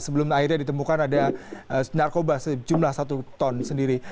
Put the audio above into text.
sebelum akhirnya ditemukan ada narkoba sejumlah satu ton sendiri